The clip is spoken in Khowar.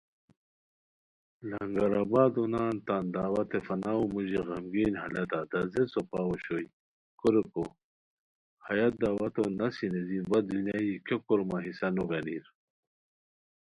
لنگر آبادو نان تان دعوتِ فناؤ موژی غمگین حالتہ دزبے څوپاؤ اوشوئے کوریکو ہیہ دعوتو نسی نیزی وا دنیائی کیہ کورمہ حصہ نو گانیر